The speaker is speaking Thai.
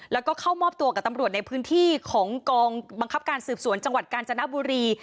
แล้วก็เข้ามอบตัวกับตำรวจในพื้นที่ของกองบังคับการสืบสวนจังหวัดกาญจนบุรี